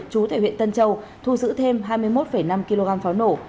chú tại huyện tân châu thu giữ thêm hai mươi một năm kg pháo nổ